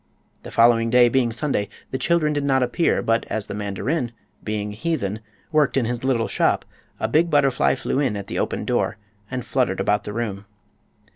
The following day being Sunday the children did not appear, but as the mandarin, being a heathen, worked in his little shop a big butterfly flew in at the open door and fluttered about the room.